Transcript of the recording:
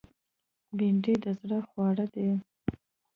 بېنډۍ د زړه خواړه دي